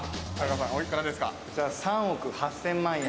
３億２５００万。